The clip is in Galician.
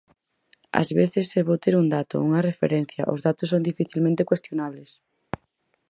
Ás veces é bo ter un dato, unha referencia; os datos son dificilmente cuestionables.